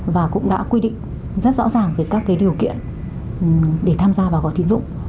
và cũng đã quy định rất rõ ràng về các điều kiện để tham gia vào gói tín dụng